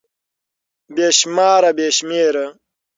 بې شماره √ بې شمېره